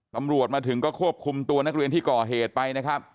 ตำรวจมาถึงก็ควบคุมตัวนักเรียนที่ก่อเหตุไปนะครับ